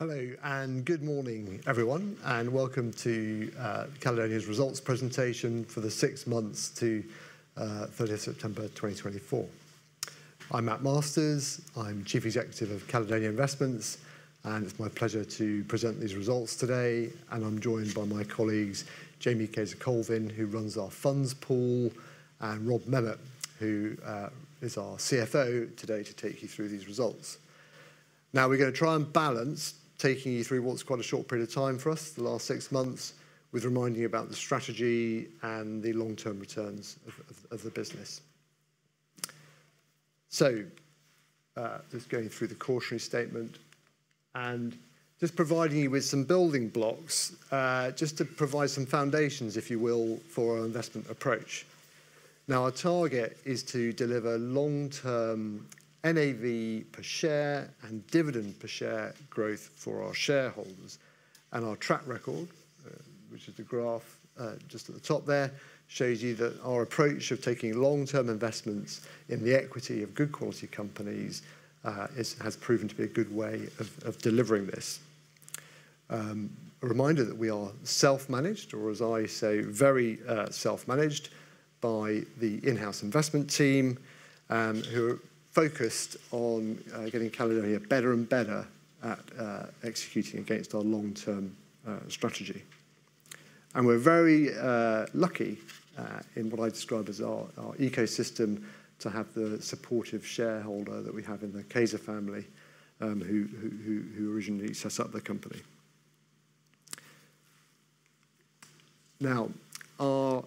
Hello, and good morning, everyone, and welcome to Caledonia's results presentation for the six months to 30 September 2024. I'm Mat Masters, I'm Chief Executive of Caledonia Investments, and it's my pleasure to present these results today. I'm joined by my colleagues, Jamie Cayzer-Colvin, who runs our funds pool, and Rob Memmott, who is our CFO, today to take you through these results. Now, we're going to try and balance taking you through what's quite a short period of time for us, the last six months, with reminding you about the strategy and the long-term returns of the business. So, just going through the cautionary statement and just providing you with some building blocks just to provide some foundations, if you will, for our investment approach. Now, our target is to deliver long-term NAV per share and dividend per share growth for our shareholders. Our track record, which is the graph just at the top there, shows you that our approach of taking long-term investments in the equity of good quality companies has proven to be a good way of delivering this. A reminder that we are self-managed, or as I say, very self-managed, by the in-house investment team, who are focused on getting Caledonia better and better at executing against our long-term strategy. We're very lucky in what I describe as our ecosystem to have the supportive shareholder that we have in the Cayzer family, who originally sets up the company. Now, our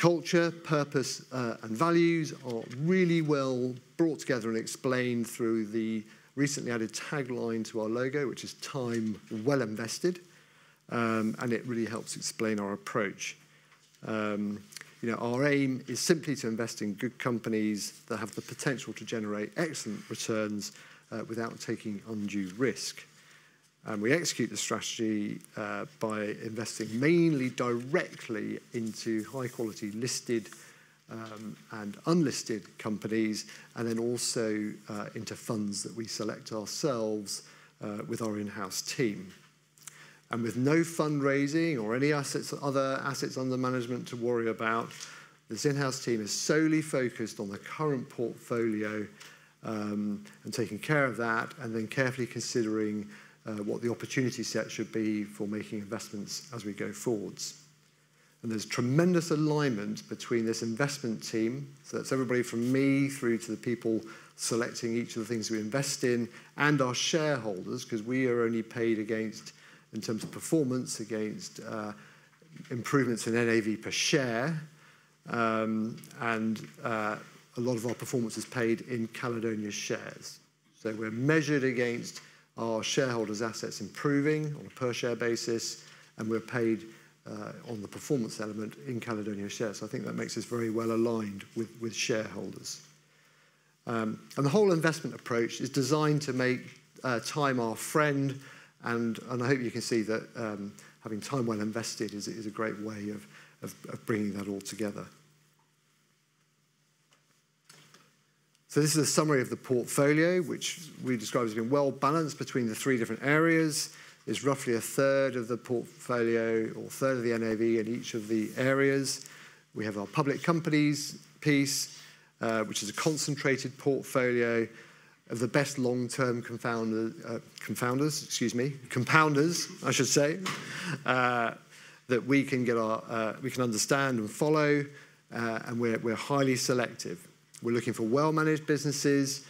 culture, purpose, and values are really well brought together and explained through the recently added tagline to our logo, which is "Time Well Invested," and it really helps explain our approach. Our aim is simply to invest in good companies that have the potential to generate excellent returns without taking undue risk. We execute the strategy by investing mainly directly into high-quality listed and unlisted companies, and then also into funds that we select ourselves with our in-house team. With no fundraising or any other assets under management to worry about, this in-house team is solely focused on the current portfolio and taking care of that, and then carefully considering what the opportunity set should be for making investments as we go forwards. There's tremendous alignment between this investment team, so that's everybody from me through to the people selecting each of the things we invest in, and our shareholders, because we are only paid in terms of performance against improvements in NAV per share, and a lot of our performance is paid in Caledonia shares. We're measured against our shareholders' assets improving on a per-share basis, and we're paid on the performance element in Caledonia shares. I think that makes us very well aligned with shareholders. The whole investment approach is designed to make time our friend, and I hope you can see that having time well invested is a great way of bringing that all together. This is a summary of the portfolio, which we describe as being well balanced between the three different areas. There's roughly a third of the portfolio, or a third of the NAV in each of the areas. We have our public companies piece, which is a concentrated portfolio of the best long-term confounders, excuse me, compounders, I should say, that we can understand and follow, and we're highly selective. We're looking for well-managed businesses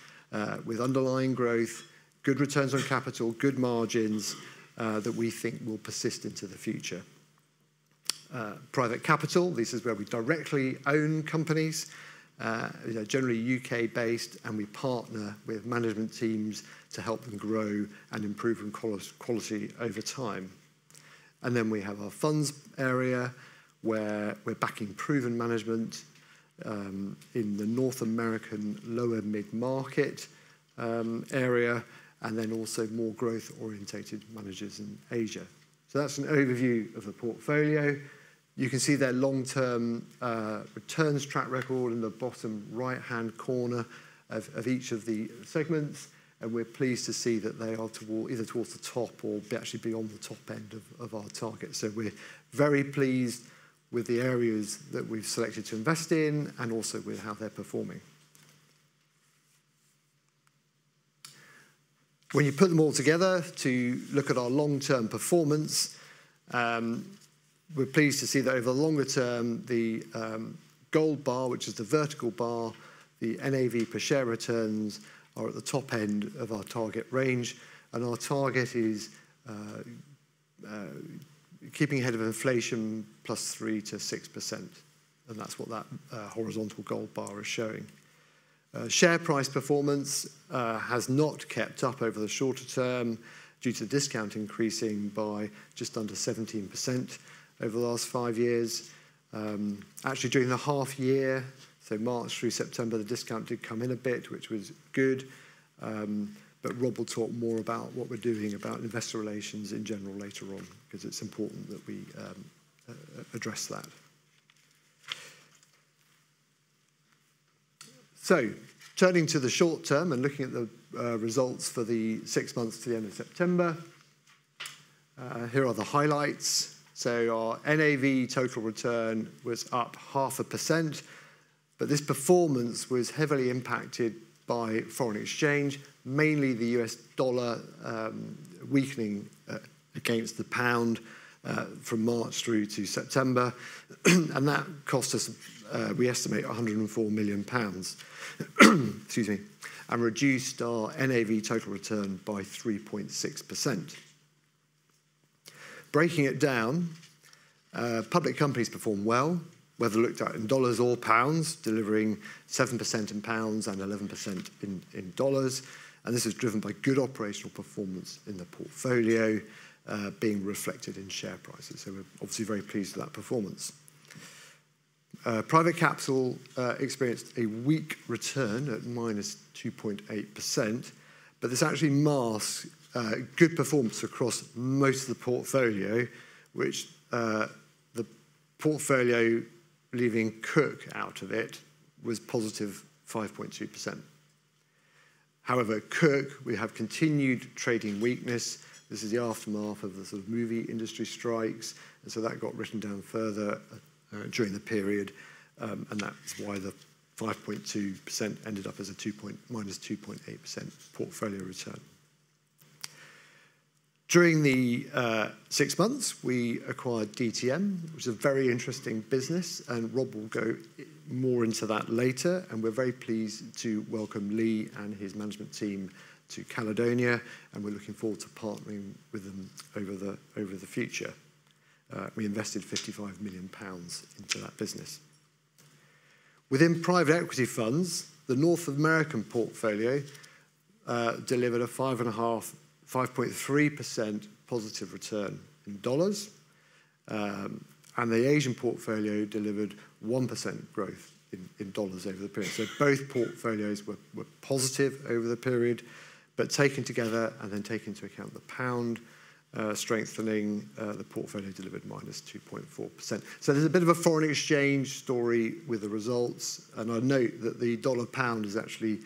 with underlying growth, good returns on capital, good margins that we think will persist into the future. Private capital, this is where we directly own companies, generally U.K.-based, and we partner with management teams to help them grow and improve in quality over time. Then we have our funds area, where we're backing proven management in the North American lower-mid market area, and then also more growth-oriented managers in Asia. That's an overview of the portfolio. You can see their long-term returns track record in the bottom right-hand corner of each of the segments, and we're pleased to see that they are either towards the top or actually beyond the top end of our target. We're very pleased with the areas that we've selected to invest in and also with how they're performing. When you put them all together to look at our long-term performance, we're pleased to see that over the longer term, the gold bar, which is the vertical bar, the NAV per share returns, are at the top end of our target range, and our target is keeping ahead of inflation plus 3%-6%, and that's what that horizontal gold bar is showing. Share price performance has not kept up over the shorter term due to the discount increasing by just under 17% over the last five years. Actually, during the half year, so March through September, the discount did come in a bit, which was good, but Rob will talk more about what we're doing about investor relations in general later on, because it's important that we address that. Turning to the short term and looking at the results for the six months to the end of September, here are the highlights. Our NAV total return was up 0.5%, but this performance was heavily impacted by foreign exchange, mainly the U.S. dollar weakening against the pound from March through to September, and that cost us, we estimate, 104 million pounds, excuse me, and reduced our NAV total return by 3.6%. Breaking it down, public companies performed well, whether looked at in dollars or pounds, delivering 7% in pounds and 11% in dollars, and this was driven by good operational performance in the portfolio being reflected in share prices. We're obviously very pleased with that performance. Private capital experienced a weak return at -2.8%, but this actually masks good performance across most of the portfolio, which the portfolio leaving Cooke out of it was +5.2%. However, Cooke, we have continued trading weakness. This is the aftermath of the movie industry strikes, and so that got written down further during the period, and that's why the 5.2% ended up as a minus 2.8% portfolio return. During the six months, we acquired DTM, which is a very interesting business, and Rob will go more into that later, and we're very pleased to welcome Leigh and his management team to Caledonia, and we're looking forward to partnering with them over the future. We invested 55 million pounds into that business. Within private equity funds, the North American portfolio delivered a 5.3% positive return in dollars, and the Asian portfolio delivered 1% growth in dollars over the period. Both portfolios were positive over the period, but taken together, and then taking into account the pound strengthening, the portfolio delivered minus 2.4%. There's a bit of a foreign exchange story with the results, and I note that the dollar-pound has actually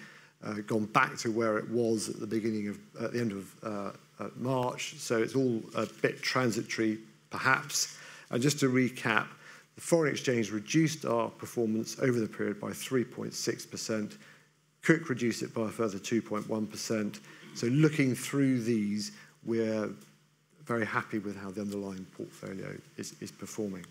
gone back to where it was at the end of March, so it's all a bit transitory, perhaps. Just to recap, the foreign exchange reduced our performance over the period by 3.6%. Cook reduced it by a further 2.1%. Looking through these, we're very happy with how the underlying portfolio is performing.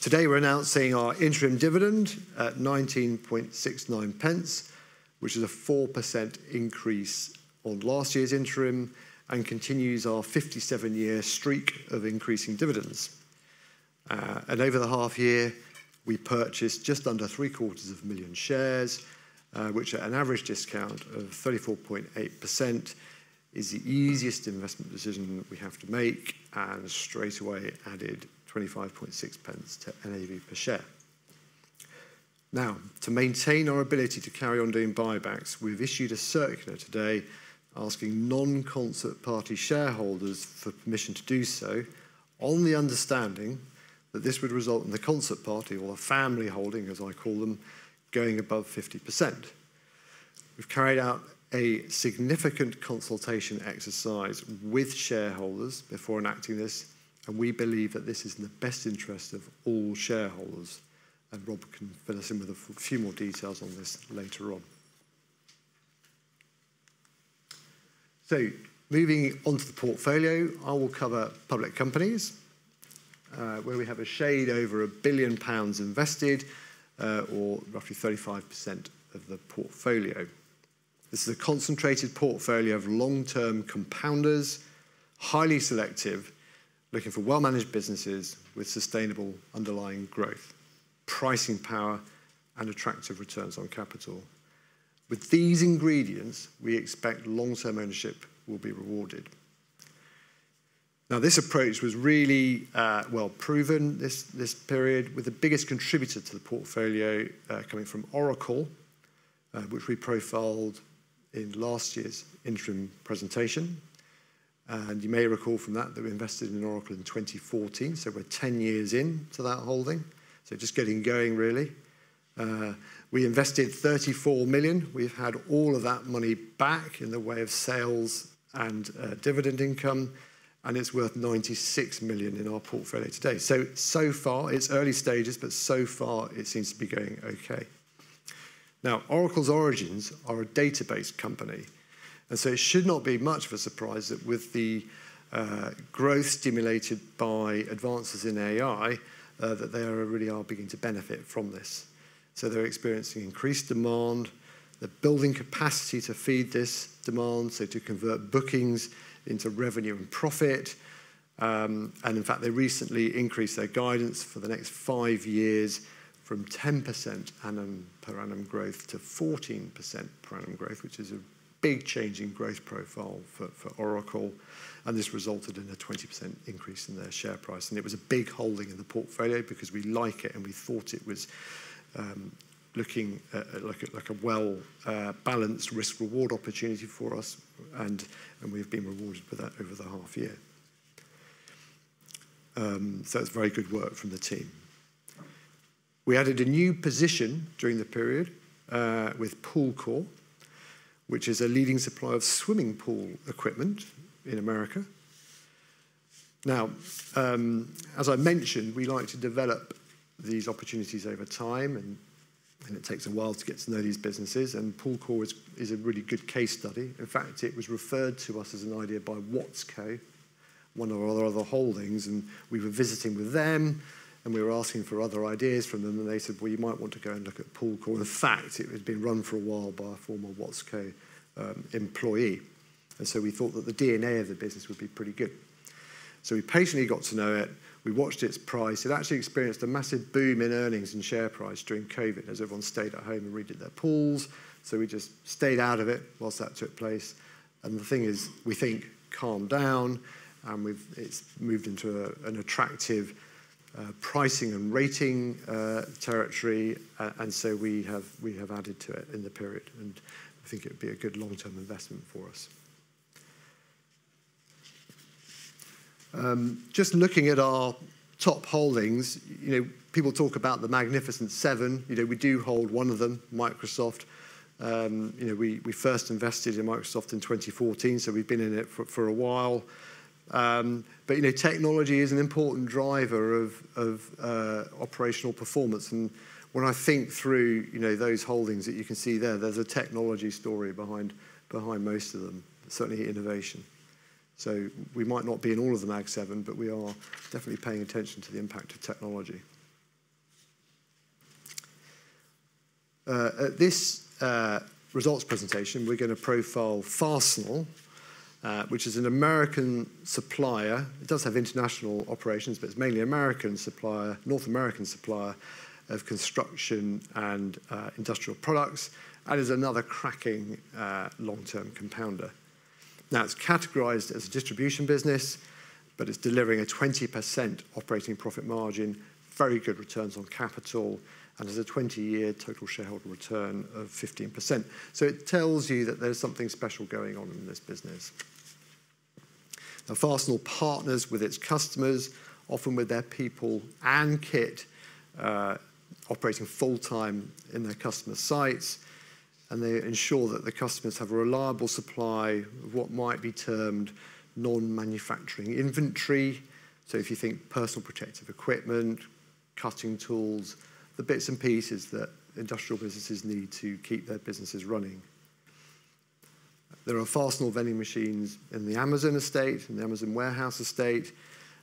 Today, we're announcing our interim dividend at 0.1969, which is a 4% increase on last year's interim and continues our 57-year streak of increasing dividends. Over the half year, we purchased just under 750,000 shares, which at an average discount of 34.8% is the easiest investment decision we have to make, and straight away added 0.256 to NAV per share. Now, to maintain our ability to carry on doing buybacks, we've issued a circular today asking non-Concert Party shareholders for permission to do so, on the understanding that this would result in the Concert Party, or family holding, as I call them, going above 50%. We've carried out a significant consultation exercise with shareholders before enacting this, and we believe that this is in the best interest of all shareholders, and Rob can fill us in with a few more details on this later on. Moving on to the portfolio, I will cover public companies, where we have a shade over 1 billion pounds invested, or roughly 35% of the portfolio. This is a concentrated portfolio of long-term compounders, highly selective, looking for well-managed businesses with sustainable underlying growth, pricing power, and attractive returns on capital. With these ingredients, we expect long-term ownership will be rewarded. Now, this approach was really well proven this period, with the biggest contributor to the portfolio coming from Oracle, which we profiled in last year's interim presentation. You may recall from that that we invested in Oracle in 2014, so we're 10 years into that holding, so just getting going, really. We invested 34 million. We've had all of that money back in the way of sales and dividend income, and it's worth 96 million in our portfolio today. So far, it's early stages, but so far it seems to be going okay. Now, Oracle's origins are a database company, and so it should not be much of a surprise that with the growth stimulated by advances in AI, that they really are beginning to benefit from this. They're experiencing increased demand. They're building capacity to feed this demand, so to convert bookings into revenue and profit. In fact, they recently increased their guidance for the next five years from 10% per annum growth to 14% per annum growth, which is a big change in growth profile for Oracle, and this resulted in a 20% increase in their share price. It was a big holding in the portfolio because we like it, and we thought it was looking like a well-balanced risk-reward opportunity for us, and we have been rewarded for that over the half year. That's very good work from the team. We added a new position during the period with Pool Corporation, which is a leading supplier of swimming pool equipment in America. Now, as I mentioned, we like to develop these opportunities over time, and it takes a while to get to know these businesses, and Pool Corporation is a really good case study. In fact, it was referred to us as an idea by Watsco, one of our other holdings, and we were visiting with them, and we were asking for other ideas from them, and they said, "Well, you might want to go and look at Pool Corporation." In fact, it had been run for a while by a former Watsco employee, and so we thought that the DNA of the business would be pretty good. We patiently got to know it. We watched its price. It actually experienced a massive boom in earnings and share price during COVID, as everyone stayed at home and redid their pools, so we just stayed out of it whilst that took place. The thing is, we think, calmed down, and it's moved into an attractive pricing and rating territory, and so we have added to it in the period, and I think it would be a good long-term investment for us. Just looking at our top holdings, people talk about the Magnificent Seven. We do hold one of them, Microsoft. We first invested in Microsoft in 2014, so we've been in it for a while. Technology is an important driver of operational performance, and when I think through those holdings that you can see there, there's a technology story behind most of them, certainly innovation. We might not be in all of the Mag Seven, but we are definitely paying attention to the impact of technology. At this results presentation, we're going to profile Fastenal, which is an American supplier. It does have international operations, but it's mainly American supplier, North American supplier of construction and industrial products, and is another cracking long-term compounder. Now, it's categorized as a distribution business, but it's delivering a 20% operating profit margin, very good returns on capital, and has a 20-year total shareholder return of 15%. It tells you that there's something special going on in this business. Now, Fastenal partners with its customers, often with their people and kit, operating full-time in their customer sites, and they ensure that the customers have a reliable supply of what might be termed non-manufacturing inventory, so if you think personal protective equipment, cutting tools, the bits and pieces that industrial businesses need to keep their businesses running. There are Fastenal vending machines in the Amazon estate, in the Amazon warehouse estate,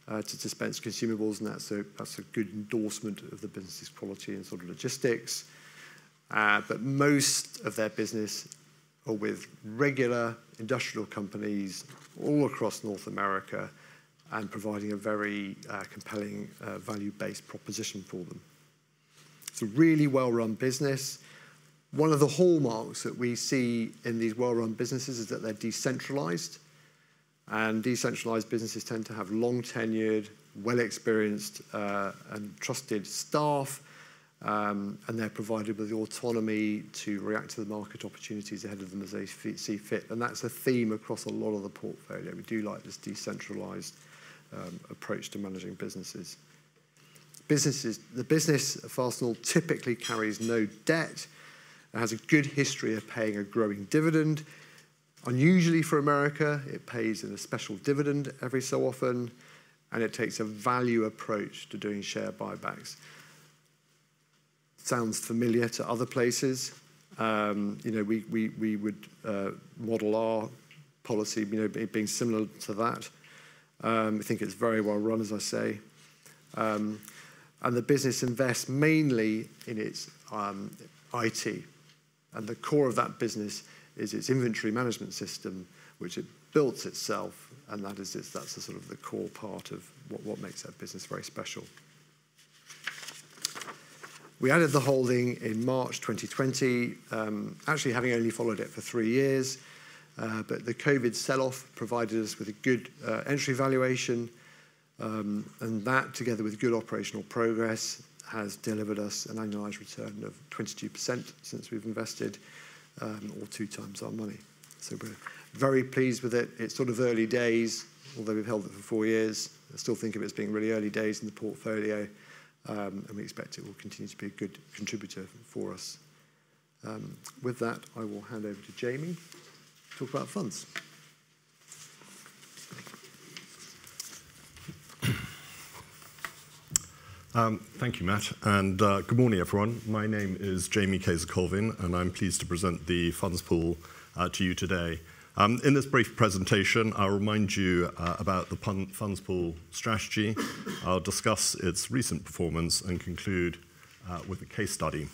to dispense consumables, and that's a good endorsement of the business's quality and logistics. But most of their business are with regular industrial companies all across North America and providing a very compelling value-based proposition for them. It's a really well-run business. One of the hallmarks that we see in these well-run businesses is that they're decentralized, and decentralized businesses tend to have long-tenured, well-experienced, and trusted staff, and they're provided with the autonomy to react to the market opportunities ahead of them as they see fit. That's a theme across a lot of the portfolio. We do like this decentralized approach to managing businesses. The business of Fastenal typically carries no debt and has a good history of paying a growing dividend. Unusually for America, it pays a special dividend every so often, and it takes a value approach to doing share buybacks. Sounds familiar to other places. We would model our policy being similar to that. I think it's very well run, as I say. The business invests mainly in its IT, and the core of that business is its inventory management system, which it builds itself, and that's the core part of what makes that business very special. We added the holding in March 2020, actually having only followed it for three years, but the COVID sell-off provided us with a good entry valuation, and that, together with good operational progress, has delivered us an annualized return of 22% since we've invested, or two times our money. We're very pleased with it. It's early days, although we've held it for four years. I still think of it as being really early days in the portfolio, and we expect it will continue to be a good contributor for us. With that, I will hand over to Jamie to talk about funds. Thank you, Matt. Good morning, everyone. My name is Jamie Cayzer-Colvin, and I'm pleased to present the funds pool to you today. In this brief presentation, I'll remind you about the funds pool strategy. I'll discuss its recent performance and conclude with a case study.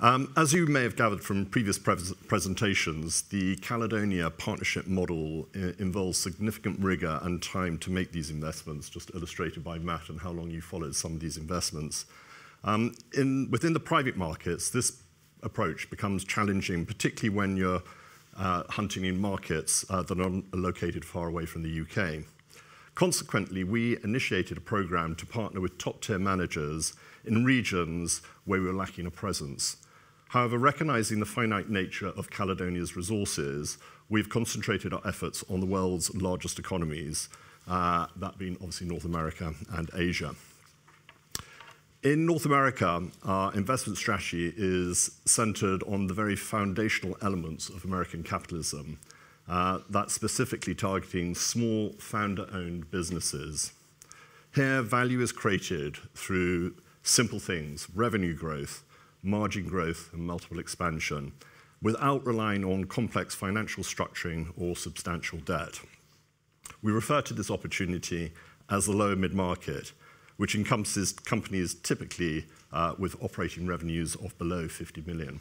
As you may have gathered from previous presentations, the Caledonia partnership model involves significant rigor and time to make these investments, just illustrated by Matt and how long you followed some of these investments. Within the private markets, this approach becomes challenging, particularly when you're hunting in markets that are located far away from the U.K. Consequently, we initiated a program to partner with top-tier managers in regions where we were lacking a presence. However, recognizing the finite nature of Caledonia's resources, we've concentrated our efforts on the world's largest economies, that being obviously North America and Asia. In North America, our investment strategy is centered on the very foundational elements of American capitalism. That's specifically targeting small founder-owned businesses. Here, value is created through simple things: revenue growth, margin growth, and multiple expansion, without relying on complex financial structuring or substantial debt. We refer to this opportunity as the lower mid-market, which encompasses companies typically with operating revenues of below 50 million.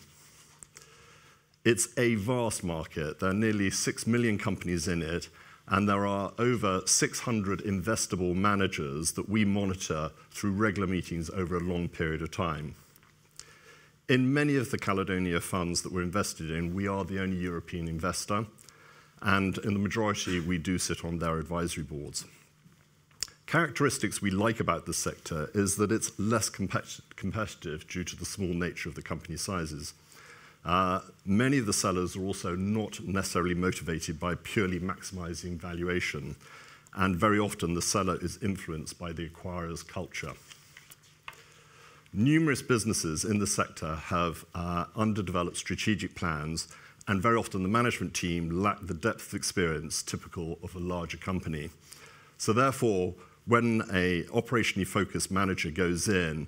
It's a vast market. There are nearly six million companies in it, and there are over 600 investable managers that we monitor through regular meetings over a long period of time. In many of the Caledonia funds that we're invested in, we are the only European investor, and in the majority, we do sit on their advisory boards. Characteristics we like about the sector is that it's less competitive due to the small nature of the company sizes. Many of the sellers are also not necessarily motivated by purely maximizing valuation, and very often, the seller is influenced by the acquirer's culture. Numerous businesses in the sector have underdeveloped strategic plans, and very often, the management team lack the depth of experience typical of a larger company. Therefore, when an operationally focused manager goes in,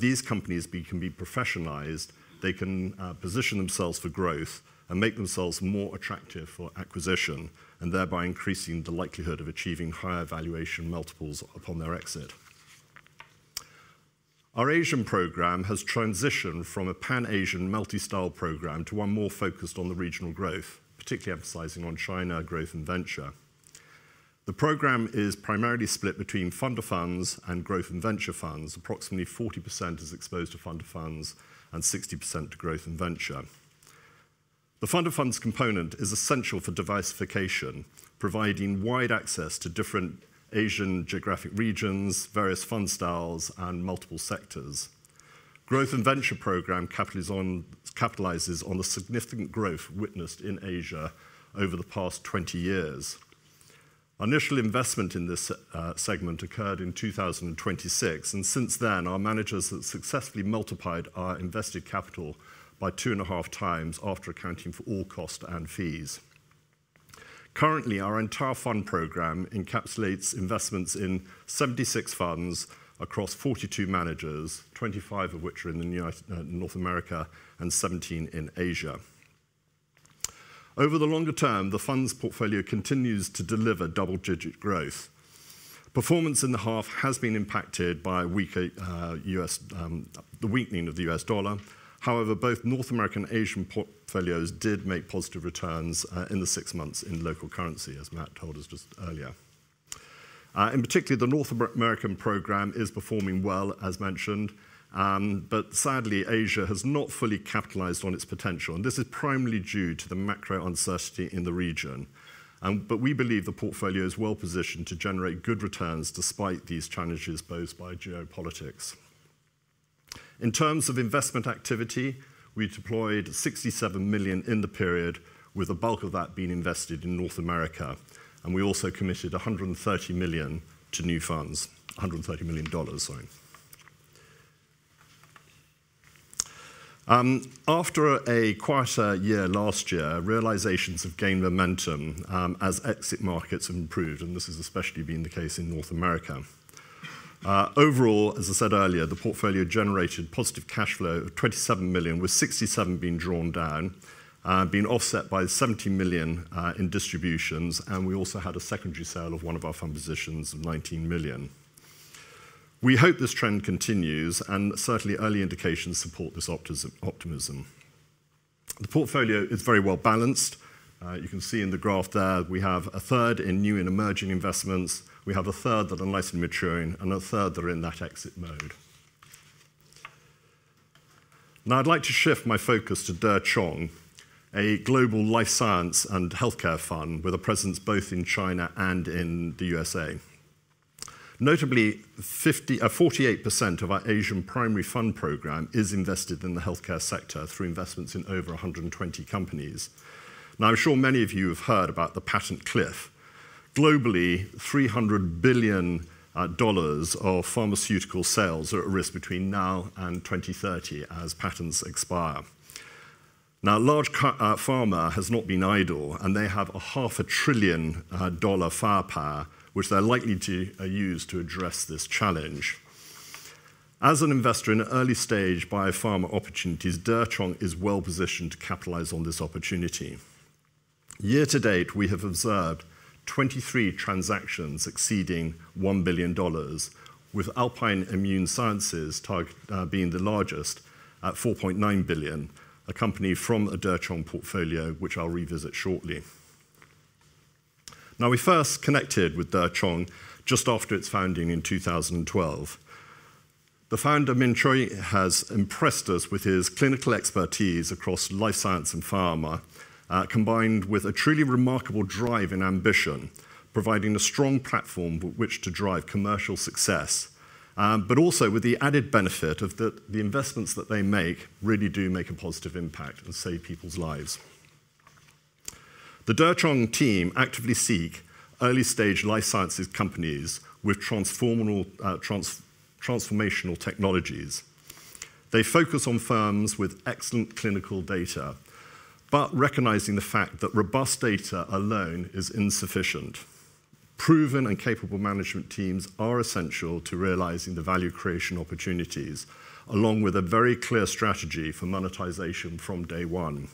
these companies can be professionalized. They can position themselves for growth and make themselves more attractive for acquisition, and thereby increasing the likelihood of achieving higher valuation multiples upon their exit. Our Asian program has transitioned from a Pan-Asian multi-style program to one more focused on the regional growth, particularly emphasizing on China growth and venture. The program is primarily split between fund of funds and growth and venture funds. Approximately 40% is exposed to fund of funds and 60% to growth and venture. The fund of funds component is essential for diversification, providing wide access to different Asian geographic regions, various fund styles, and multiple sectors. Growth and venture program capitalizes on the significant growth witnessed in Asia over the past 20 years. Initial investment in this segment occurred in 2026, and since then, our managers have successfully multiplied our invested capital by two and a half times after accounting for all costs and fees. Currently, our entire fund program encapsulates investments in 76 funds across 42 managers, 25 of which are in North America and 17 in Asia. Over the longer term, the funds portfolio continues to deliver double-digit growth. Performance in the half has been impacted by the weakening of the U.S. dollar. However, both North American and Asian portfolios did make positive returns in the six months in local currency, as Matt told us just earlier. In particular, the North American program is performing well, as mentioned, but sadly, Asia has not fully capitalized on its potential, and this is primarily due to the macro uncertainty in the region. But we believe the portfolio is well positioned to generate good returns despite these challenges posed by geopolitics. In terms of investment activity, we deployed 67 million in the period, with the bulk of that being invested in North America, and we also committed 130 million to new funds, $130 million. After a quieter year last year, realizations have gained momentum as exit markets have improved, and this has especially been the case in North America. Overall, as I said earlier, the portfolio generated positive cash flow of 27 million, with 67 million being drawn down, being offset by 70 million in distributions, and we also had a secondary sale of one of our fund positions of 19 million. We hope this trend continues, and certainly, early indications support this optimism. The portfolio is very well balanced. You can see in the graph there, we have a third in new and emerging investments. We have a third that are nice and maturing, and a third that are in that exit mode. Now, I'd like to shift my focus to Decheng, a global life science and healthcare fund with a presence both in China and in the USA. Notably, 48% of our Asian primary fund program is invested in the healthcare sector through investments in over 120 companies. Now, I'm sure many of you have heard about the Patent Cliff. Globally, $300 billion of pharmaceutical sales are at risk between now and 2030 as patents expire. Now, large pharma has not been idle, and they have $500 billion firepower, which they're likely to use to address this challenge. As an investor in an early stage biopharma opportunities, Decheng is well positioned to capitalize on this opportunity. Year to date, we have observed 23 transactions exceeding $1 billion, with Alpine Immune Sciences being the largest at $4.9 billion, a company from a Decheng portfolio, which I'll revisit shortly. Now, we first connected with Decheng just after its founding in 2012. The founder, Min Cui, has impressed us with his clinical expertise across life science and pharma, combined with a truly remarkable drive and ambition, providing a strong platform with which to drive commercial success, but also with the added benefit of that the investments that they make really do make a positive impact and save people's lives. The Decheng team actively seeks early stage life sciences companies with transformational technologies. They focus on firms with excellent clinical data, but recognizing the fact that robust data alone is insufficient. Proven and capable management teams are essential to realizing the value creation opportunities, along with a very clear strategy for monetization from day one.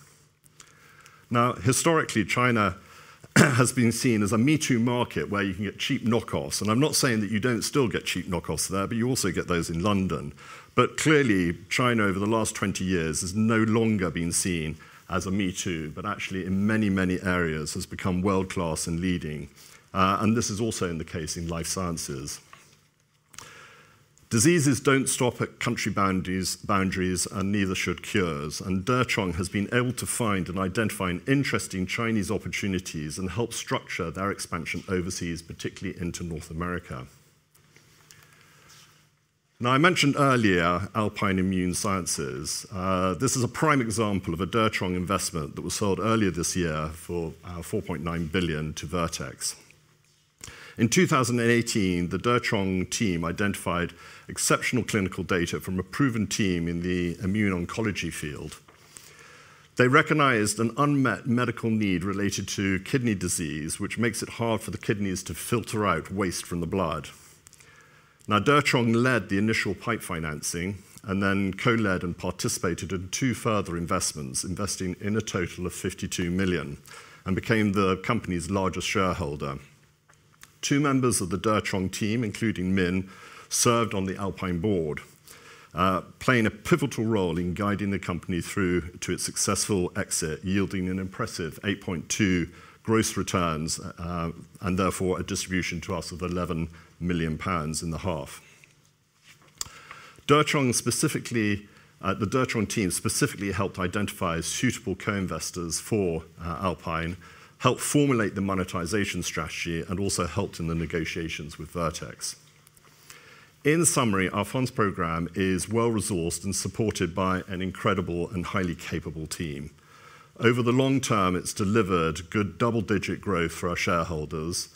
Now, historically, China has been seen as a me-too market where you can get cheap knockoffs. I'm not saying that you don't still get cheap knockoffs there, but you also get those in London. But clearly, China over the last 20 years has no longer been seen as a me-too, but actually, in many, many areas, has become world-class and leading, and this is also the case in life sciences. Diseases don't stop at country boundaries, and neither should cures. Decheng has been able to find and identify interesting Chinese opportunities and help structure their expansion overseas, particularly into North America. Now, I mentioned earlier Alpine Immune Sciences. This is a prime example of a Decheng investment that was sold earlier this year for $4.9 billion to Vertex. In 2018, the Decheng team identified exceptional clinical data from a proven team in the immune oncology field. They recognized an unmet medical need related to kidney disease, which makes it hard for the kidneys to filter out waste from the blood. Now, Decheng led the initial PIPE financing and then co-led and participated in two further investments, investing a total of $52 million and became the company's largest shareholder. Two members of the Decheng team, including Min, served on the Alpine board, playing a pivotal role in guiding the company through to its successful exit, yielding an impressive 8.2 gross returns and therefore a distribution to us of 11 million pounds in the half. The Decheng team specifically helped identify suitable co-investors for Alpine, helped formulate the monetization strategy, and also helped in the negotiations with Vertex. In summary, our funds program is well resourced and supported by an incredible and highly capable team. Over the long term, it's delivered good double-digit growth for our shareholders.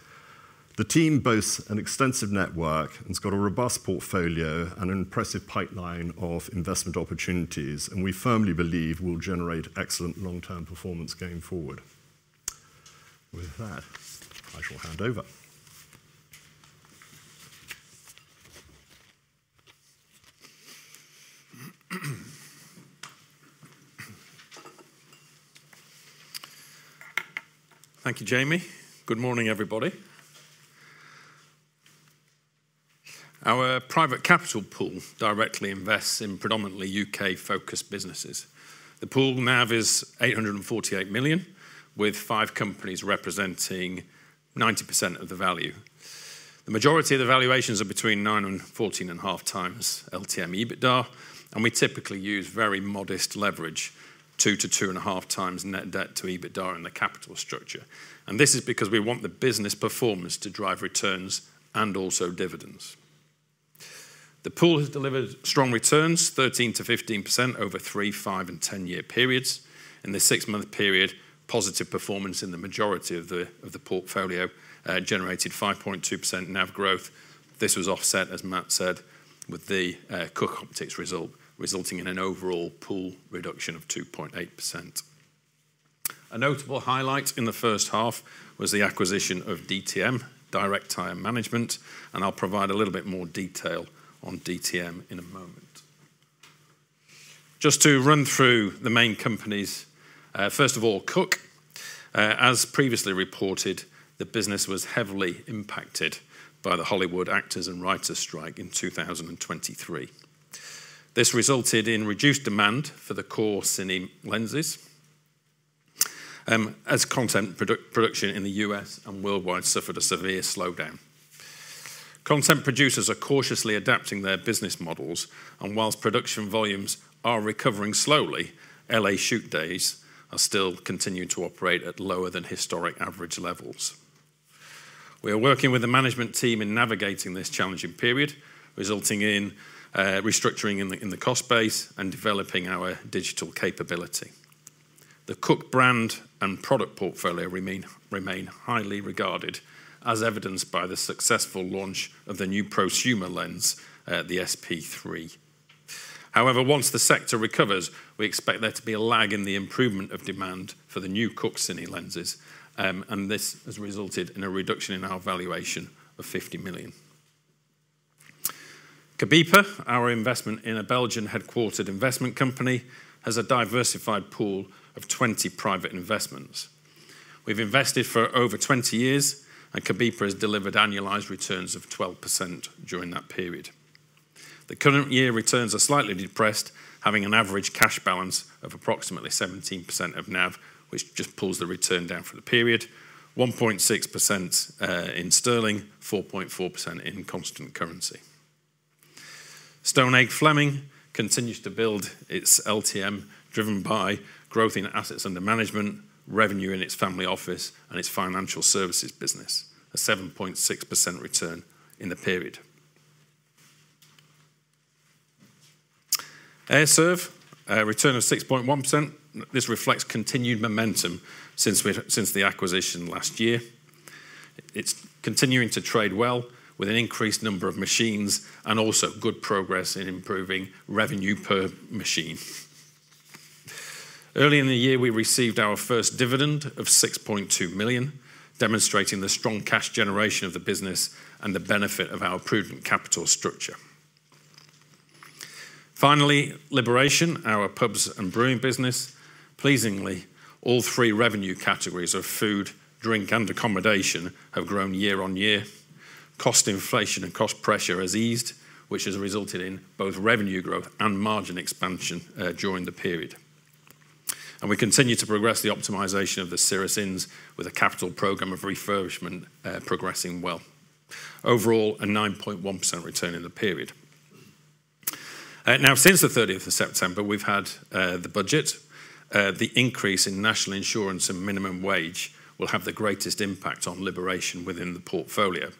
The team boasts an extensive network and has got a robust portfolio and an impressive pipeline of investment opportunities, and we firmly believe will generate excellent long-term performance going forward. With that, I shall hand over. Thank you, Jamie. Good morning, everybody. Our private capital pool directly invests in predominantly UK-focused businesses. The pool now is 848 million, with five companies representing 90% of the value. The majority of the valuations are between 9 and 14 and a half times LTM EBITDA, and we typically use very modest leverage, 2-2.5 net debt to EBITDA in the capital structure. This is because we want the business performance to drive returns and also dividends. The pool has delivered strong returns, 13%-15% over three, five, and 10-year periods. In the six-month period, positive performance in the majority of the portfolio generated 5.2% net growth. This was offset, as Matt said, with the Cooke Optics resulting in an overall pool reduction of 2.8%. A notable highlight in the first half was the acquisition of DTM, Direct Tire Management, and I'll provide a little bit more detail on DTM in a moment. Just to run through the main companies, first of all, Cook. As previously reported, the business was heavily impacted by the Hollywood Actors and Writers' Strike in 2023. This resulted in reduced demand for the core cinema lenses, as content production in the U.S. and worldwide suffered a severe slowdown. Content producers are cautiously adapting their business models, and while production volumes are recovering slowly, LA shoot days are still continuing to operate at lower than historic average levels. We are working with the management team in navigating this challenging period, resulting in restructuring in the cost base and developing our digital capability. The Cook brand and product portfolio remain highly regarded, as evidenced by the successful launch of the new prosumer lens, the SP3. However, once the sector recovers, we expect there to be a lag in the improvement of demand for the new Cook cinema lenses, and this has resulted in a reduction in our valuation of 50 million. Cobepa, our investment in a Belgian-headquartered investment company, has a diversified pool of 20 private investments. We've invested for over 20 years, and Cobepa has delivered annualized returns of 12% during that period. The current year returns are slightly depressed, having an average cash balance of approximately 17% of NAV, which just pulls the return down for the period, 1.6% in sterling, 4.4% in constant currency. Stonehage Fleming continues to build its LTM, driven by growth in assets under management, revenue in its family office, and its financial services business, a 7.6% return in the period. AIR-serv, return of 6.1%. This reflects continued momentum since the acquisition last year. It's continuing to trade well with an increased number of machines and also good progress in improving revenue per machine. Early in the year, we received our first dividend of 6.2 million, demonstrating the strong cash generation of the business and the benefit of our prudent capital structure. Finally, Liberation, our pubs and brewing business. Pleasingly, all three revenue categories of food, drink, and accommodation have grown year on year. Cost inflation and cost pressure has eased, which has resulted in both revenue growth and margin expansion during the period. We continue to progress the optimization of the Cirrus Inns with a capital program of refurbishment progressing well. Overall, a 9.1% return in the period. Now, since the 30th of September, we've had the budget. The increase in national insurance and minimum wage will have the greatest impact on Liberation within the portfolio.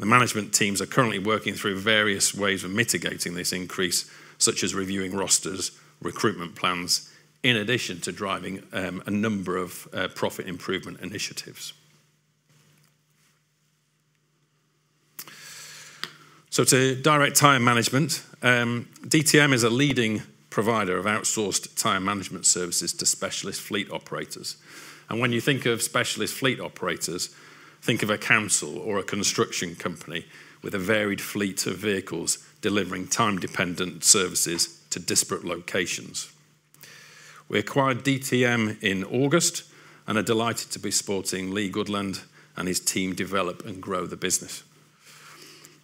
The management teams are currently working through various ways of mitigating this increase, such as reviewing rosters, recruitment plans, in addition to driving a number of profit improvement initiatives. So, to Direct Tire Management, DTM is a leading provider of outsourced tire management services to specialist fleet operators. When you think of specialist fleet operators, think of a council or a construction company with a varied fleet of vehicles delivering time-dependent services to disparate locations. We acquired DTM in August and are delighted to be supporting Leigh Goodland and his team develop and grow the business.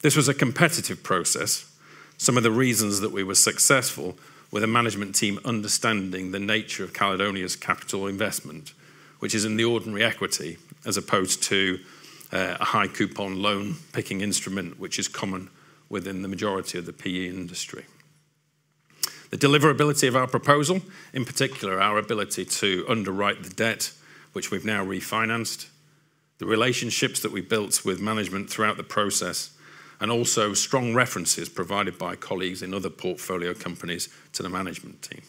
This was a competitive process. Some of the reasons that we were successful were the management team understanding the nature of Caledonia's capital investment, which is in the ordinary equity as opposed to a high-coupon loan-picking instrument, which is common within the majority of the PE industry, the deliverability of our proposal, in particular our ability to underwrite the debt, which we've now refinanced, the relationships that we built with management throughout the process, and also strong references provided by colleagues in other portfolio companies to the management team.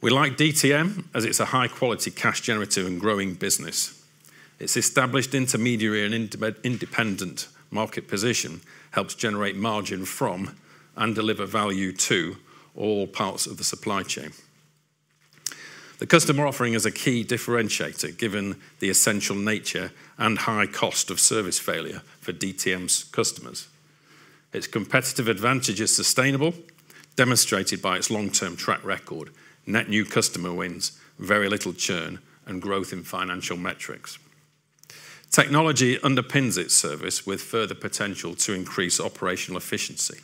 We like DTM as it's a high-quality cash-generative and growing business. Its established intermediary and independent market position helps generate margin from and deliver value to all parts of the supply chain. The customer offering is a key differentiator given the essential nature and high cost of service failure for DTM's customers. Its competitive advantage is sustainable, demonstrated by its long-term track record, net new customer wins, very little churn, and growth in financial metrics. Technology underpins its service with further potential to increase operational efficiency.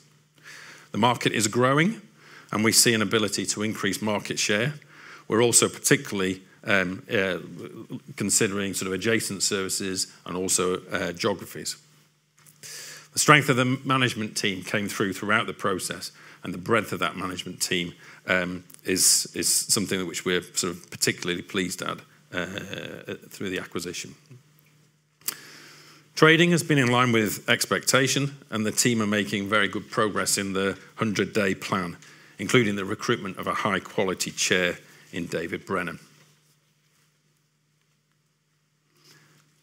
The market is growing, and we see an ability to increase market share. We're also particularly considering sort of adjacent services and also geographies. The strength of the management team came through throughout the process, and the breadth of that management team is something which we're sort of particularly pleased at through the acquisition. Trading has been in line with expectation, and the team are making very good progress in the 100-day plan, including the recruitment of a high-quality chair in David Brennan.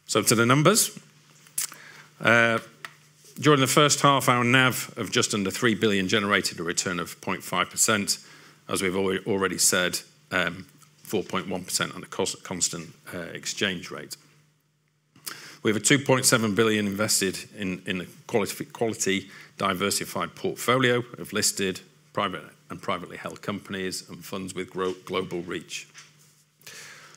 So, to the numbers. During the first half, our NAV of just under 3 billion generated a return of 0.5%, as we've already said, 4.1% on a constant exchange rate. We have 2.7 billion invested in a quality diversified portfolio of listed and privately held companies and funds with global reach.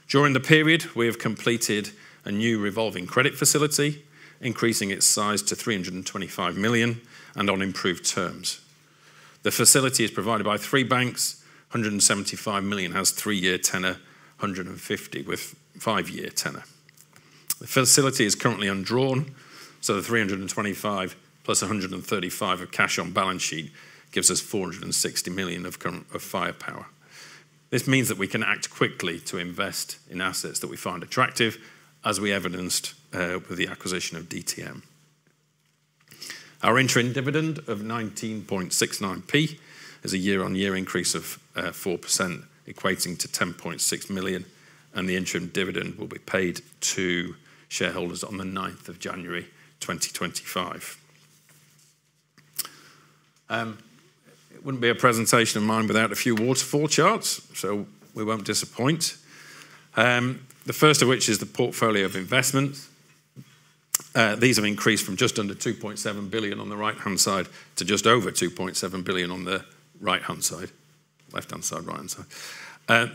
During the period, we have completed a new revolving credit facility, increasing its size to 325 million and on improved terms. The facility is provided by three banks. 175 million has three-year tenor, 150 million with five-year tenor. The facility is currently undrawn, so the 325 million plus 135 million of cash on balance sheet gives us 460 million of firepower. This means that we can act quickly to invest in assets that we find attractive, as we evidenced with the acquisition of DTM. Our interim dividend of 0.1969 is a year-on-year increase of 4%, equating to 10.6 million, and the interim dividend will be paid to shareholders on the 9th of January, 2025. It wouldn't be a presentation of mine without a few waterfall charts, so we won't disappoint. The first of which is the portfolio of investments. These have increased from just under 2.7 billion on the right-hand side to just over 2.7 billion on the right-hand side, left-hand side, right-hand side.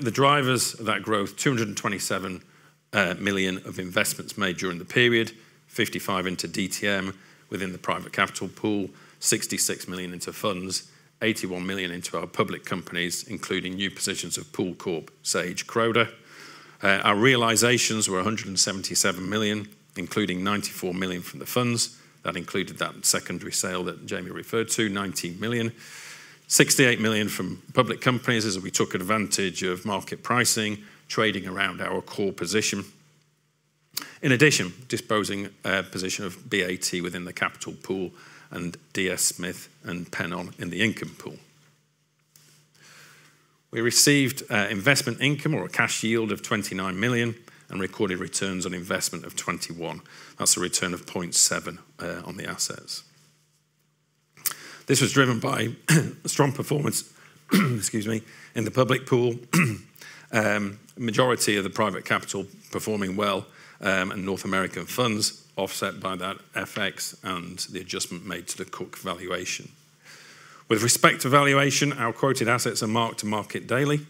The drivers of that growth: 227 million of investments made during the period, 55 million into DTM within the private capital pool, 66 million into funds, 81 million into our public companies, including new positions of Pool Corp, Sage, Croda. Our realizations were 177 million, including 94 million from the funds. That included that secondary sale that Jamie referred to, 19 million. 68 million from public companies as we took advantage of market pricing, trading around our core position. In addition, disposing position of BAT within the capital pool and DS Smith and Pennon in the income pool. We received investment income or a cash yield of 29 million and recorded returns on investment of 21 million. That's a return of 0.7 on the assets. This was driven by strong performance, excuse me, in the public pool, majority of the private capital performing well, and North American funds offset by that FX and the adjustment made to the Cook valuation. With respect to valuation, our quoted assets are marked to market daily.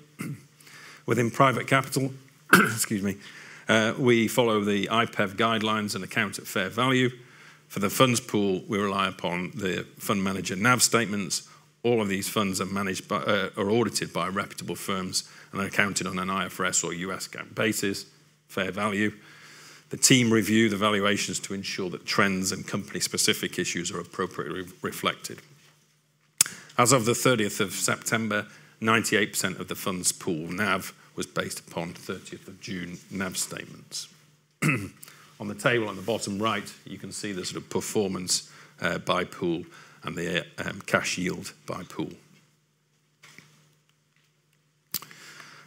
Within private capital, excuse me, we follow the IPEV guidelines and account at fair value. For the funds pool, we rely upon the fund manager NAV statements. All of these funds are audited by reputable firms and are accounted on an IFRS or US GAAP basis, fair value. The team review the valuations to ensure that trends and company-specific issues are appropriately reflected. As of the 30th of September, 98% of the funds pool NAV was based upon 30th of June NAV statements. On the table on the bottom right, you can see the sort of performance by pool and the cash yield by pool.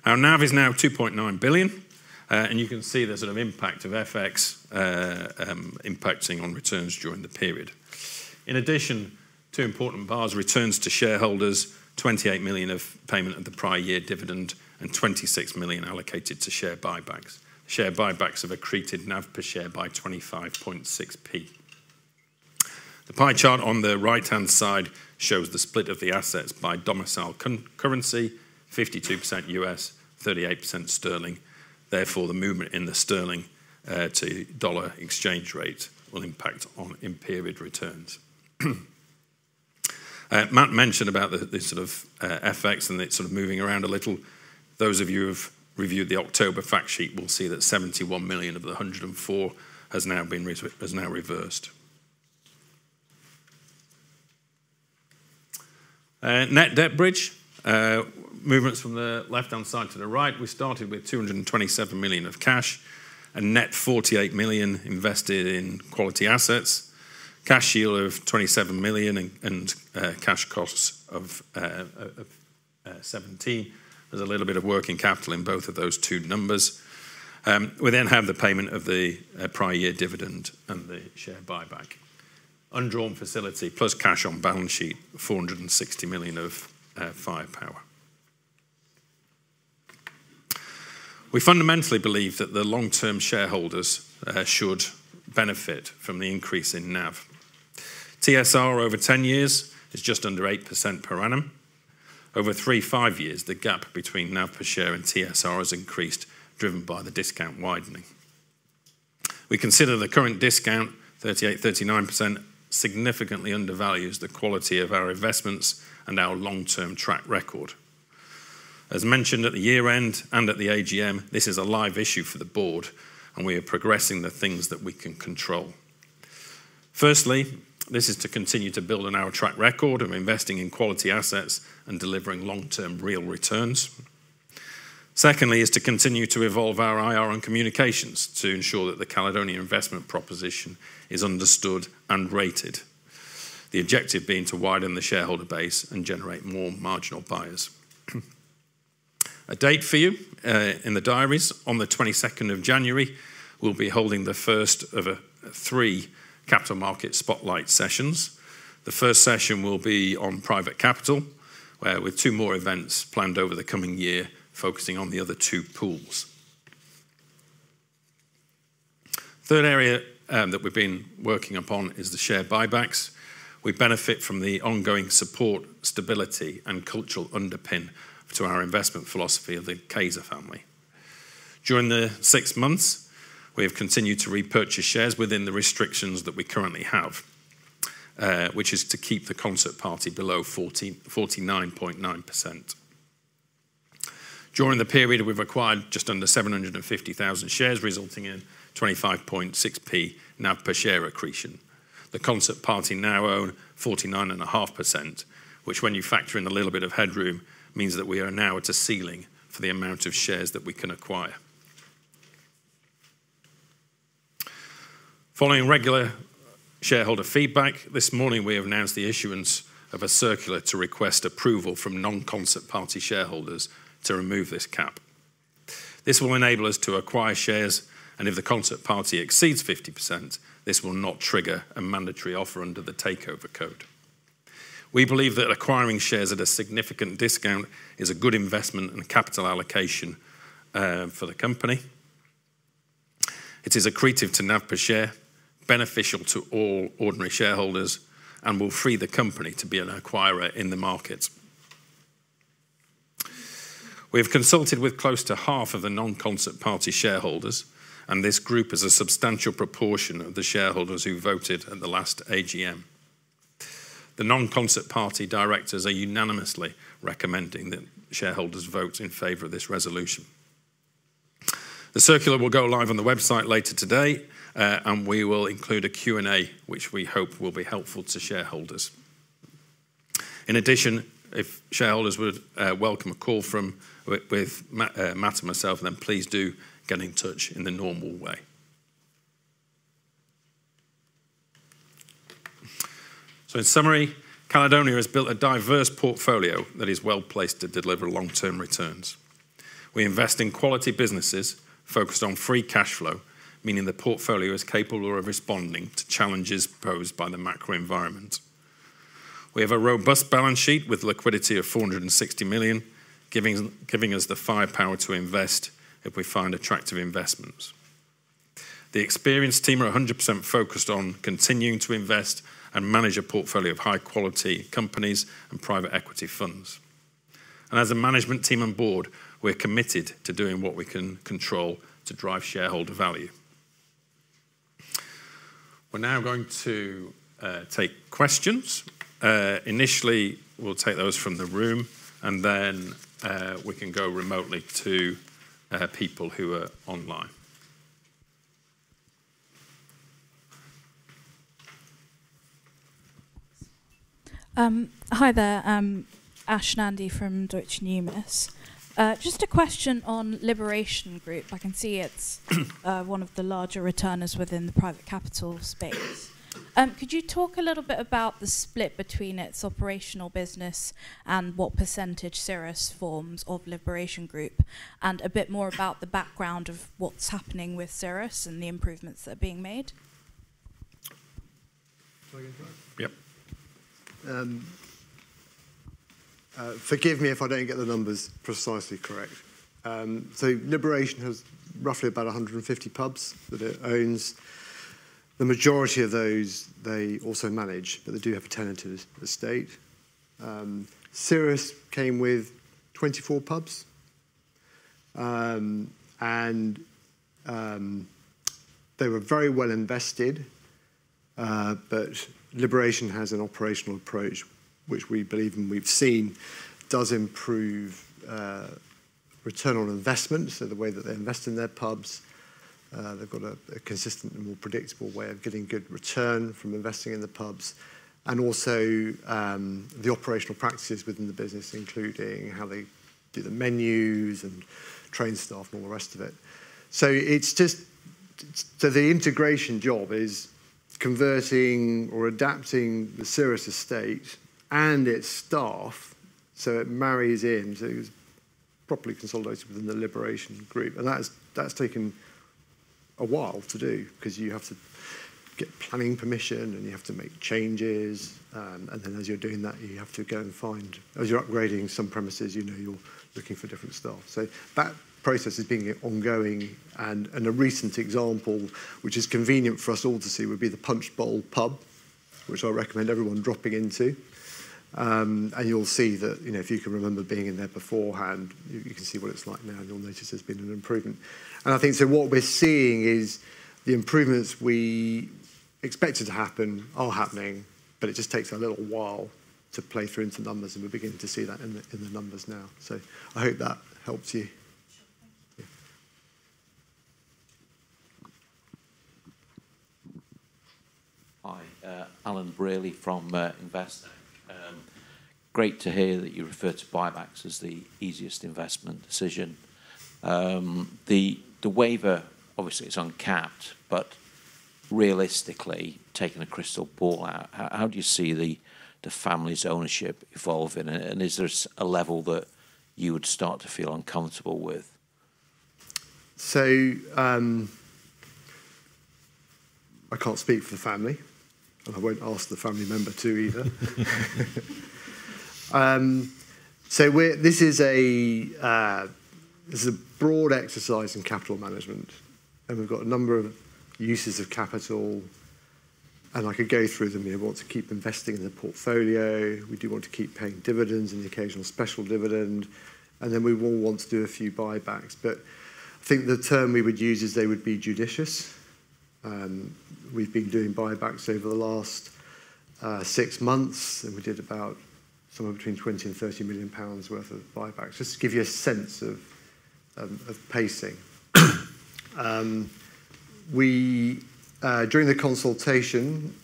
Our NAV is now 2.9 billion, and you can see the sort of impact of FX impacting on returns during the period. In addition, two important bars: returns to shareholders, 28 million of payment of the prior year dividend, and 26 million allocated to share buybacks. Share buybacks have accreted NAV per share by 25.6p. The pie chart on the right-hand side shows the split of the assets by domicile currency, 52% U.S., 38% sterling. Therefore, the movement in the sterling to dollar exchange rate will impact on impaired returns. Matt mentioned about the sort of FX and it's sort of moving around a little. Those of you who have reviewed the October factsheet will see that 71 million of the 104 has now been reversed. Net debt bridge, movements from the left-hand side to the right. We started with 227 million of cash and net 48 million invested in quality assets. Cash yield of 27 million and cash costs of 17 million. There's a little bit of working capital in both of those two numbers. We then have the payment of the prior year dividend and the share buyback. Undrawn facility plus cash on balance sheet, 460 million of firepower. We fundamentally believe that the long-term shareholders should benefit from the increase in NAV. TSR over 10 years is just under 8% per annum. Over three to five years, the gap between NAV per share and TSR has increased, driven by the discount widening. We consider the current discount, 38-39%, significantly undervalues the quality of our investments and our long-term track record. As mentioned at the year-end and at the AGM, this is a live issue for the board, and we are progressing the things that we can control. Firstly, this is to continue to build on our track record of investing in quality assets and delivering long-term real returns. Secondly, it is to continue to evolve our IR and communications to ensure that the Caledonia investment proposition is understood and rated. The objective being to widen the shareholder base and generate more marginal buyers. A date for you in the diaries: on the 22nd of January, we'll be holding the first of three capital market spotlight sessions. The first session will be on private capital, with two more events planned over the coming year, focusing on the other two pools. Third area that we've been working upon is the share buybacks. We benefit from the ongoing support, stability, and cultural underpin to our investment philosophy of the Cayzer family. During the six months, we have continued to repurchase shares within the restrictions that we currently have, which is to keep the Concert Party below 49.9%. During the period, we've acquired just under 750,000 shares, resulting in 0.256 NAV per share accretion. The Concert Party now owns 49.5%, which when you factor in a little bit of headroom, means that we are now at a ceiling for the amount of shares that we can acquire. Following regular shareholder feedback, this morning, we have announced the issuance of a circular to request approval from non-Concert Party shareholders to remove this cap. This will enable us to acquire shares, and if the Concert Party exceeds 50%, this will not trigger a mandatory offer under the takeover code. We believe that acquiring shares at a significant discount is a good investment and capital allocation for the company. It is accretive to NAV per share, beneficial to all ordinary shareholders, and will free the company to be an acquirer in the markets. We have consulted with close to half of the non-concert party shareholders, and this group is a substantial proportion of the shareholders who voted at the last AGM. The non-concert party directors are unanimously recommending that shareholders vote in favor of this resolution. The circular will go live on the website later today, and we will include a Q&A, which we hope will be helpful to shareholders. In addition, if shareholders would welcome a call from Matt and myself, then please do get in touch in the normal way. So, in summary, Caledonia has built a diverse portfolio that is well placed to deliver long-term returns. We invest in quality businesses focused on free cash flow, meaning the portfolio is capable of responding to challenges posed by the macro environment. We have a robust balance sheet with liquidity of 460 million, giving us the firepower to invest if we find attractive investments. The experienced team are 100% focused on continuing to invest and manage a portfolio of high-quality companies and private equity funds. And as a management team and board, we're committed to doing what we can control to drive shareholder value. We're now going to take questions. Initially, we'll take those from the room, and then we can go remotely to people who are online. Hi there, Ash Nandi from Deutsche Numis. Just a question on Liberation Group. I can see it's one of the larger returners within the private capital space. Could you talk a little bit about the split between its operational business and what percentage Cirrus forms of Liberation Group, and a bit more about the background of what's happening with Cirrus and the improvements that are being made? Yep. Forgive me if I don't get the numbers precisely correct. So, Liberation has roughly about 150 pubs that it owns. The majority of those, they also manage, but they do have a tenant estate. Cirrus came with 24 pubs, and they were very well invested, but Liberation has an operational approach which we believe, and we've seen, does improve return on investment. So, the way that they invest in their pubs, they've got a consistent and more predictable way of getting good return from investing in the pubs. And also, the operational practices within the business, including how they do the menus and train staff and all the rest of it. So, the integration job is converting or adapting the Cirrus estate and its staff so it marries in. So, it's properly consolidated within the Liberation Group. And that's taken a while to do because you have to get planning permission, and you have to make changes. And then, as you're doing that, you have to go and find, as you're upgrading some premises, you're looking for different stuff. So, that process is being ongoing. And a recent example, which is convenient for us all to see, would be the Punch Bowl Pub, which I recommend everyone dropping into. And you'll see that if you can remember being in there beforehand, you can see what it's like now, and you'll notice there's been an improvement. I think what we're seeing is the improvements we expected to happen are happening, but it just takes a little while to play through into numbers, and we're beginning to see that in the numbers now. So, I hope that helps you. Sure. Thank you. Hi, Alan Brierley from Investec. Great to hear that you refer to buybacks as the easiest investment decision. The waiver, obviously, is uncapped, but realistically, taking a crystal ball out, how do you see the family's ownership evolving, and is there a level that you would start to feel uncomfortable with? So, I can't speak for the family, and I won't ask the family member to either. So, this is a broad exercise in capital management, and we've got a number of uses of capital, and I could go through them. We want to keep investing in the portfolio. We do want to keep paying dividends and the occasional special dividend, and then we will want to do a few buybacks, but I think the term we would use is they would be judicious. We've been doing buybacks over the last six months, and we did about somewhere between 20 million and 30 million pounds worth of buybacks, just to give you a sense of pacing. During the consultation,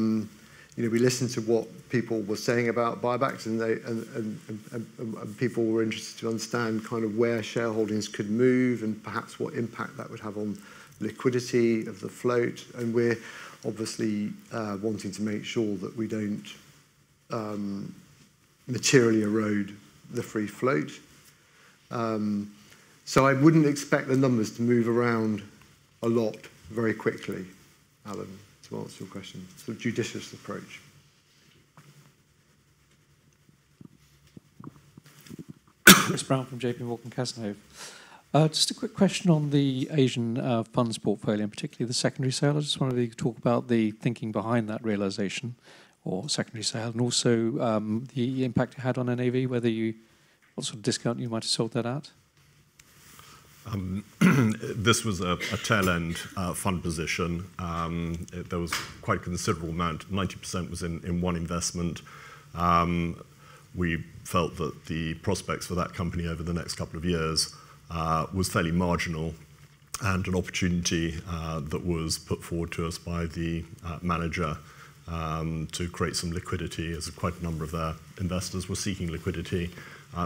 we listened to what people were saying about buybacks, and people were interested to understand kind of where shareholdings could move and perhaps what impact that would have on liquidity of the float. And we're obviously wanting to make sure that we don't materially erode the free float, so I wouldn't expect the numbers to move around a lot very quickly, Alan, to answer your question, so a judicious approach. Thank you. Chris Brown from J.P. Morgan Cazenove. Just a quick question on the Asian funds portfolio, and particularly the secondary sale. I just wanted to talk about the thinking behind that realization or secondary sale, and also the impact it had on NAV, what sort of discount you might have sold that at. This was a tail-end fund position. There was quite a considerable amount. 90% was in one investment. We felt that the prospects for that company over the next couple of years were fairly marginal, and an opportunity that was put forward to us by the manager to create some liquidity as quite a number of their investors were seeking liquidity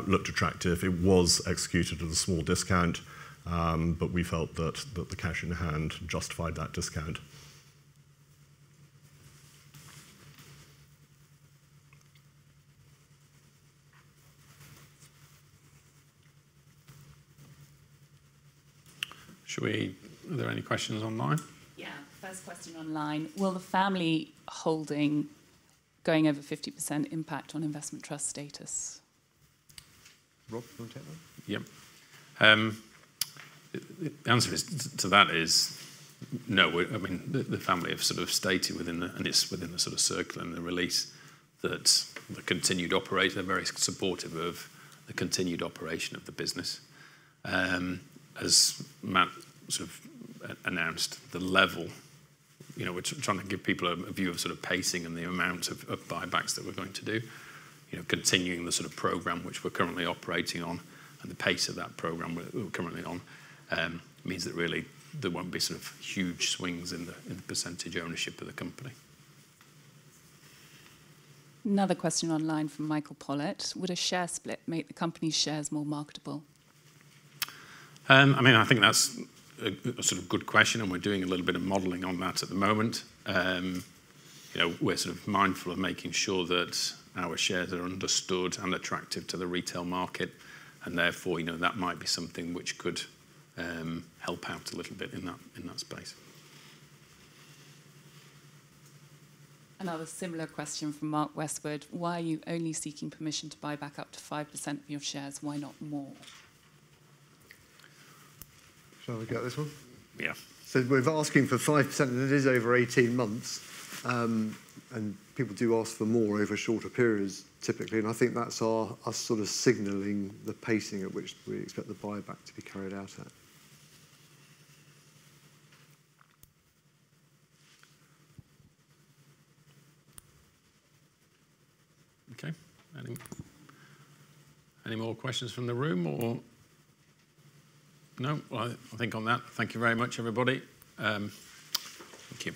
looked attractive. It was executed at a small discount, but we felt that the cash in hand justified that discount. Are there any questions online? Yeah. First question online. Will the family holding going over 50% impact on investment trust status? Rob, do you want to take that? Yep. The answer to that is no. I mean, the family have sort of stated within the circular and the release that the Concert Party is very supportive of the continued operation of the business. As Matt sort of announced, the level we're trying to give people a view of sort of pacing and the amount of buybacks that we're going to do, continuing the sort of program which we're currently operating on and the pace of that program we're currently on means that really there won't be sort of huge swings in the percentage ownership of the company. Another question online from Michael Pollett. Would a share split make the company's shares more marketable? I mean, I think that's a sort of good question, and we're doing a little bit of modeling on that at the moment. We're sort of mindful of making sure that our shares are understood and attractive to the retail market, and therefore, that might be something which could help out a little bit in that space. Another similar question from Mark Westwood. Why are you only seeking permission to buy back up to 5% of your shares? Why not more? Shall we get this one? Yeah. So, we're asking for 5%, and it is over 18 months, and people do ask for more over shorter periods typically. And I think that's us sort of signaling the pacing at which we expect the buyback to be carried out at. Okay. Any more questions from the room or no? Well, I think on that, thank you very much, everybody. Thank you.